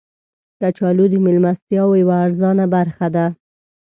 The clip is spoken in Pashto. کچالو د میلمستیاو یوه ارزانه برخه ده